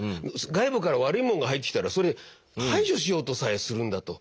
外部から悪いもんが入ってきたらそれ排除しようとさえするんだと。